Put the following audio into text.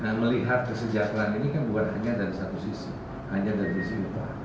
nah melihat kesejahteraan ini kan bukan hanya dari satu sisi hanya dari sisi upah